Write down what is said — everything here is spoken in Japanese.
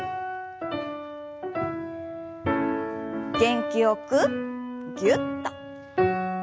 元気よくぎゅっと。